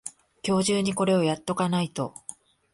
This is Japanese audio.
今日中にこれをやっとかないと